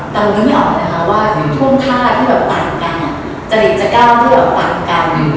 เราคิดไม่ออกนะคะว่าท่วมค่าที่ปั่นกันจริงจะก๊ายจะปั่นกัน